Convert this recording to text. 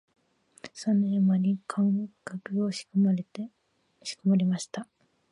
三年あまり漢学を仕込まれました